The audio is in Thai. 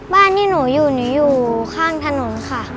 บ้านที่หนูอยู่หนูอยู่ข้างถนนค่ะ